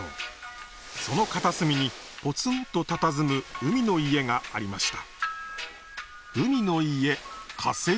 その片すみにぽつんとたたずむ海の家がありました。